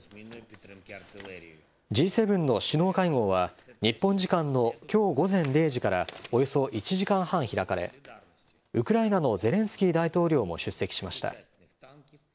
Ｇ７の首脳会合は、日本時間のきょう午前０時からおよそ１時間半開かれ、ウクライナのゼレンスキー大統領も出席しました。